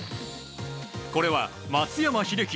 これは松山英樹